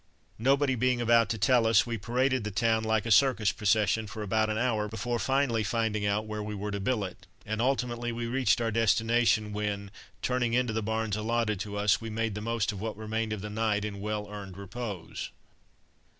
Nobody being about to tell us, we paraded the town like a circus procession for about an hour before finally finding out where we were to billet, and ultimately we reached our destination when, turning into the barns allotted to us, we made the most of what remained of the night in well earned repose.